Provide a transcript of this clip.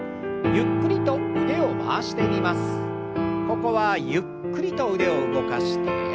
ここはゆっくりと腕を動かして。